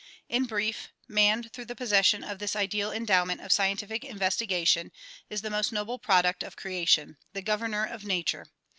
In brief, man through the possession of this ideal endowment of scientific investigation is the most noble product of creation, the governor of nature.